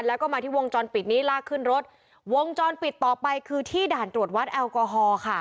แล้วก็มาที่วงจรปิดนี้ลากขึ้นรถวงจรปิดต่อไปคือที่ด่านตรวจวัดแอลกอฮอล์ค่ะ